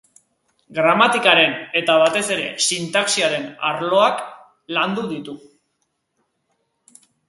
Gramatikaren eta batez ere sintaxiaren arloak landu ditu.